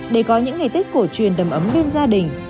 để có những ngày tết cổ truyền đầm ấm bên gia đình